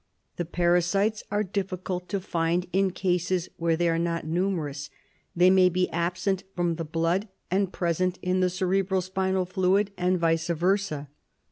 The parasites are difficult to find in cases where they are not numerous. They may be absent from the blood and present in the cerebro spinal fluid, and vice versd.